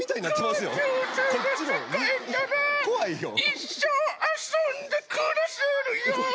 一生遊んで暮らせるよ